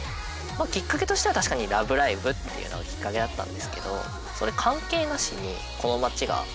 きっかけとしては確かに「ラブライブ！」っていうのがきっかけだったんですけど。